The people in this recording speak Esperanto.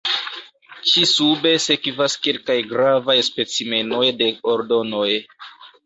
Ĉi-sube sekvas kelkaj gravaj specimenoj de ordonoj.